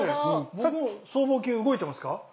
僕も僧帽筋動いてますか？